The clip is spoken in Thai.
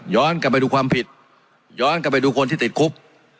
กลับไปดูความผิดย้อนกลับไปดูคนที่ติดคุก